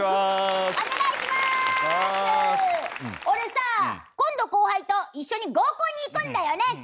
俺さ今度後輩と一緒に合コンに行くんだよね。